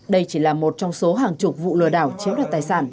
đây chỉ là một trong số hàng chục vụ lừa đảo chiếm đoạt tài sản